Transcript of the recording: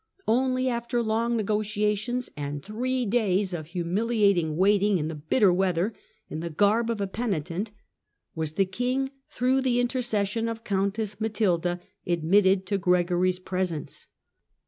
Only after long negotiation and three days of humiliating waiting, in the bitter weather, in the garb of a penitent, was the King, through the intercession of Countess Matilda, admitted to Gregory's presence.